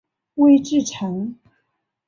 韦志成。